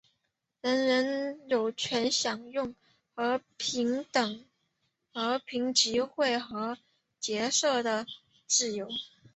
人人有权享有和平集会和结社的自由。